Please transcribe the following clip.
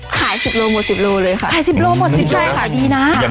ก็ขาย๑๐โลกรัมหมด๑๐โลกรัมเลยค่ะ